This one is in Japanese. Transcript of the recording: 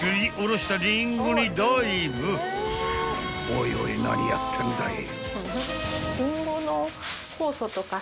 ［おいおい何やってんだい］